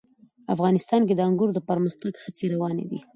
افغانستان کې د انګور د پرمختګ هڅې روانې دي.